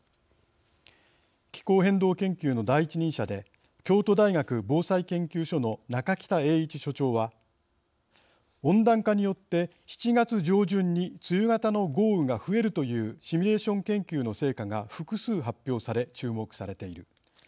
気候変動研究の第一人者で京都大学防災研究所の中北英一所長は「温暖化によって７月上旬に梅雨型の豪雨が増えるというシミュレーション研究の成果が複数発表され、注目されている。